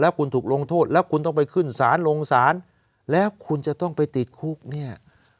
คุณถูกลงโทษแล้วคุณต้องไปขึ้นศาลลงศาลแล้วคุณจะต้องไปติดคุกเนี่ย